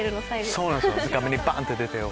そうなんですよ